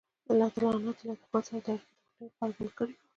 اعلانات یې له دښمن سره د اړیکو د مخنیوي لپاره بند کړي وو.